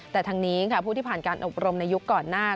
แต่ทางนี้ค่ะผู้ที่ผ่านการอบรมในยุคก่อนหน้า